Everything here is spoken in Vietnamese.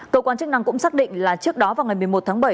cơ quan chức năng cũng xác định là trước đó vào ngày một mươi một tháng bảy